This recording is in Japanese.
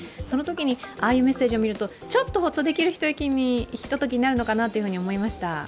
そのときにああいうメッセージを見ると、ちょっとホッとできるひとときになるのかなと思いました。